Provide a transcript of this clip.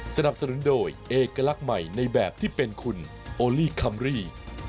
สนับสนุนโดยเอกลักษณ์ใหม่ในแบบที่เป็นคุณโอลี่คัมรี่